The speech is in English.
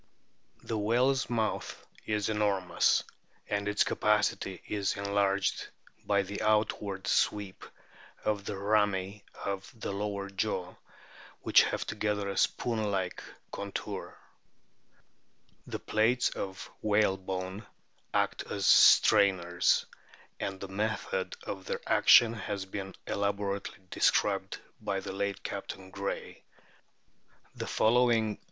The whale's mouth is enormous, and its capacity is enlarged by the outward sweep of the rami of the lower jaw, which have together a spoon like contour. The plates of whalebone act as strainers, and the method of their action has been elaborately described by the late Captain Gray.* The following * In La?